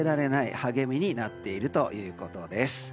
励みになっているということです。